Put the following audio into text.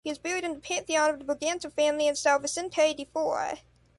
He was buried in the Pantheon of the Bragança family in São Vicente de Fora.